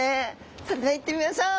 それでは行ってみましょう！